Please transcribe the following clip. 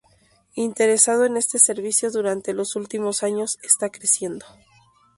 Interesado en este servicio durante los últimos años está creciendo.